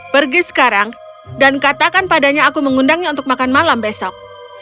pergi sekarang dan katakan padanya aku mengundangnya untuk makan malam besok